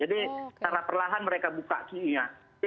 jadi secara perlahan mereka buka queuenya